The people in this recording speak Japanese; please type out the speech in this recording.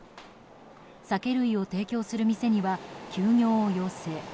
酒類を提供する店には休業を要請。